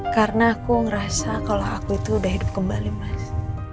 karena aku ngerasa kalau aku itu udah hidup kembali mas